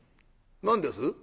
「何です？」。